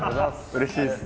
うれしいです。